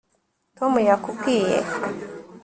tom yakubwiye